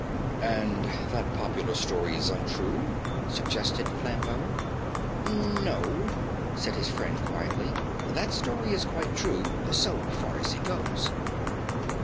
"And that popular story is untrue?" suggested Flambeau. "No," said his friend quietly, "that story is quite true, so far as it goes."